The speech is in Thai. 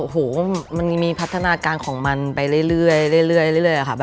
โอ้โหมันมีพัฒนาการของมันไปเรื่อยค่ะ